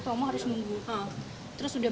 promo harus membuka terus udah